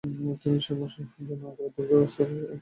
তিনি ছয় মাসের জন্য আগ্রা দুর্গে আশ্রয় নিতে বাধ্য হন।